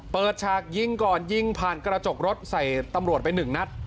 ฉากยิงก่อนยิงผ่านกระจกรถใส่ตำรวจไปหนึ่งนัด